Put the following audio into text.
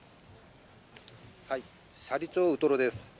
斜里町ウトロです。